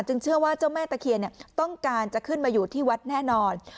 เชื่อว่าเจ้าแม่ตะเคียนต้องการจะขึ้นมาอยู่ที่วัดแน่นอน